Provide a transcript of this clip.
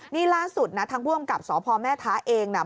นี่ล่าสุดนะทางผู้อำกับสพแม่ท้าเองนะ